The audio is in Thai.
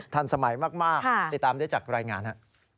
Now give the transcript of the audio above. ทันสมัยมากติดตามได้จากรายงานฮะ